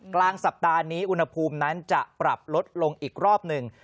กลางสัปดาห์นี้อุณหภูมินั้นจะปรับลดลงอีกรอบหนึ่ง